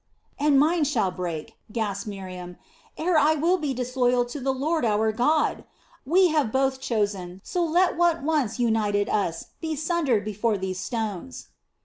"And mine shall break," gasped Miriam, "ere I will be disloyal to the Lord our God. We have both chosen, so let what once united us be sundered before these stones."